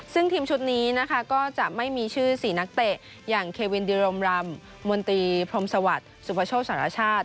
ซึ่งทีมชุดนี้นะคะก็จะไม่มีชื่อ๔นักเตะอย่างเควินดิรมรำมนตรีพรมสวัสดิ์สุพโชคสารชาติ